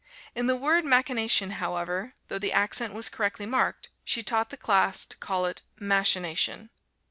In the word machination, however, though the accent was correctly marked, she taught the class to call it "mash in a tion."